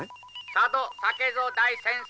佐渡酒造大先生。